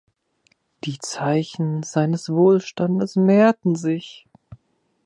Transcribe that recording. Die Zeichen seines Wohlstandes mehrten sich.